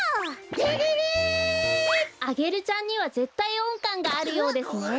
レレレ！？アゲルちゃんにはぜったいおんかんがあるようですね。